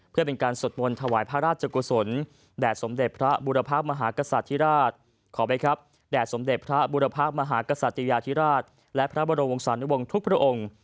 เพื่อเป็นการสวดมนต์ถวายพระราชกุศลแดดสมเด็จพระบุรพภาคมหากษัตริยาธิราชและพระบรวงศาลวงศ์ทุกพระองค์